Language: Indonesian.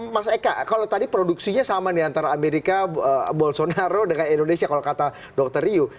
mas eka kalau tadi produksinya sama nih antara amerika bolsonaro dengan indonesia kalau kata dokter riu